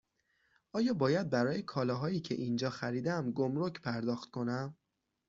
آیا باید برای کالاهایی که اینجا خریدم گمرگ پرداخت کنم؟